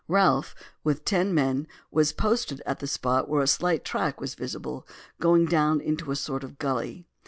Ralph, with ten men, was posted at the spot where a slight track was visible, going down into a sort of gulley.